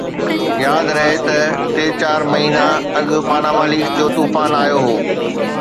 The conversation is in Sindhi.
ياد رهي ته ٽي چار مهينا اڳ پاناما ليڪس جو طوفان آيو هو